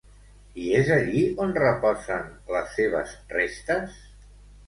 I és allí on reposen les seves restes?